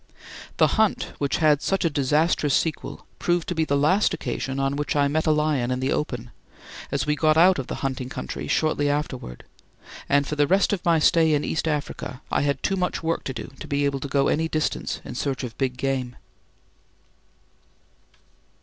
The hunt which had such a disastrous sequel proved to be the last occasion on which I met a lion in the open, as we got out of the hunting country shortly afterwards and for the rest of my stay in East Africa I had too much work to do to be able to go any distance in search of big game.